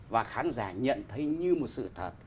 và khán giả nhận thấy như một sự thật